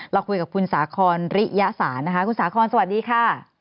เราคุยกับคุณสาคอนริยสารนะคะคุณสาคอนสวัสดีค่ะ